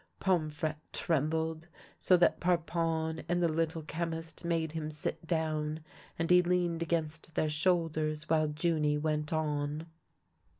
Pomfrette trembled so that Parpon and the Little Chemist made him sit down, and he leaned against their shoulders, while Junie went on.